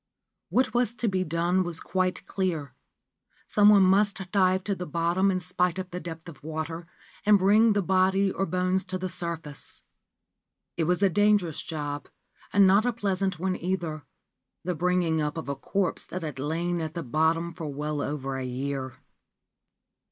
What was to be done was quite clear. Some one must dive to the bottom in spite of the depth of water, and bring the body or bones to the surface. It was a dangerous job, and not a pleasant one either, — the bring ing up of a corpse that had lain at the bottom for well over a year.